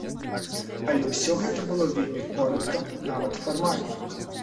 Але ўсё гэта было вельмі коратка, нават фармальна.